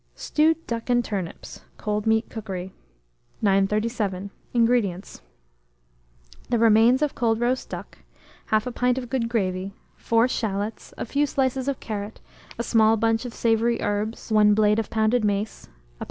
STEWED DUCK AND TURNIPS (Cold Meat Cookery). 937. INGREDIENTS. The remains of cold roast duck, 1/2 pint of good gravy, 4 shalots, a few slices of carrot, a small bunch of savoury herbs, 1 blade of pounded mace, 1 lb.